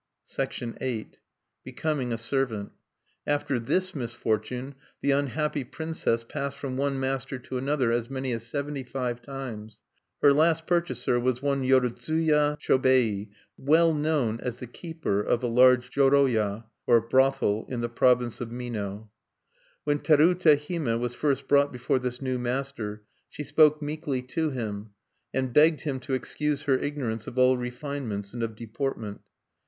VIII. BECOMING A SERVANT After this misfortune, the unhappy princess passed from one master to another as many as seventy five times. Her last purchaser was one Yorodzuya Chobei, well known as the keeper of a large joroya(1) in the province of Mino. When Terute Hime was first brought before this new master, she spoke meekly to him, and begged him to excuse her ignorance of all refinements and of deportment.